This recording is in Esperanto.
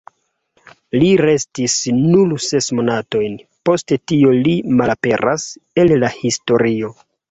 Li restis nur ses monatojn; post tio li malaperas el la historio.